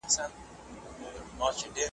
ملګري د سفر خوند زیاتوي.